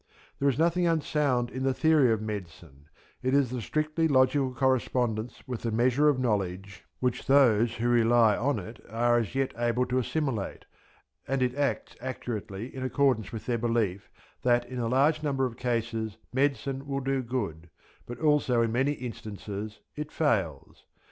There is nothing unsound in the theory of medicine; it is the strictly logical correspondence with the measure of knowledge which those who rely on it are as yet able to assimilate, and it acts accurately in accordance with their belief that in a large number of cases medicine will do good, but also in many instances it fails.